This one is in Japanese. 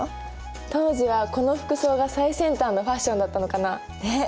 当時はこの服装が最先端のファッションだったのかなあ。ね。